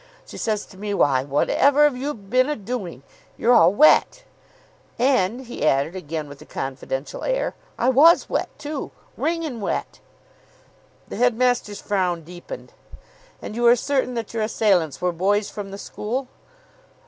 She says to me, 'Why, whatever 'ave you been a doing? You're all wet.' And," he added, again with the confidential air, "I was wet, too. Wringin' wet." The headmaster's frown deepened. "And you are certain that your assailants were boys from the school?"